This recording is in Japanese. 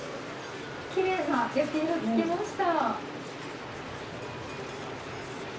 きれいな焼き色、つきました。